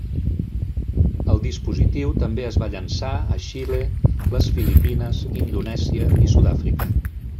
El dispositiu també es va llençar a Xile, les Filipines, Indonèsia, i Sud-àfrica.